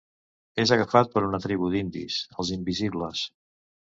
És agafat per una tribu d'indis: els invisibles.